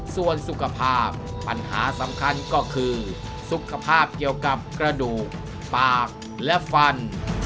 ส่วนสุขภาพปัญหาสำคัญก็คือสุขภาพเกี่ยวกับกระดูกปากและฟัน